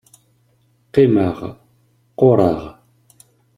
Qqimeɣ, qqureɣ.